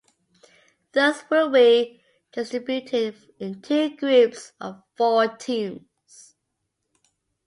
Those will be distributed in two groups of four teams.